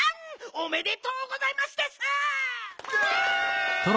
おめでとうございますです！わ！